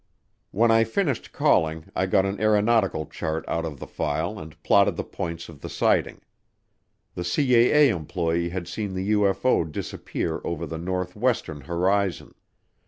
When I finished calling I got an aeronautical chart out of the file and plotted the points of the sighting. The CAA employee had seen the UFO disappear over the northwestern horizon.